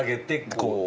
こう。